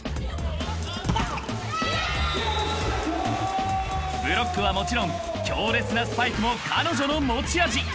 ［ブロックはもちろん強烈なスパイクも彼女の持ち味］